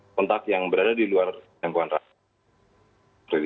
kontak yang berada di luar jangkauan rakyat